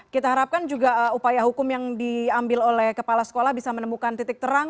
kita harapkan juga upaya hukum yang diambil oleh kepala sekolah bisa menemukan titik terang